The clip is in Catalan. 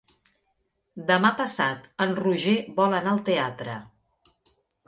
Demà passat en Roger vol anar al teatre.